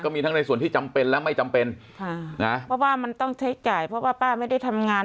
มีทั้งในส่วนที่จำเป็นและไม่จำเป็นค่ะนะเพราะว่ามันต้องใช้จ่ายเพราะว่าป้าไม่ได้ทำงาน